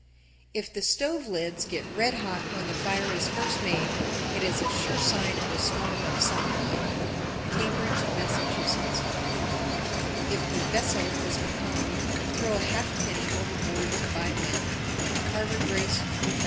If the stove lids get red hot when the fire is first made, it is a sure sign of a storm of some kind. Cambridge, Mass. 1057. If the vessel is becalmed, throw a halfpenny overboard to buy wind. _Harbor Grace, N.F.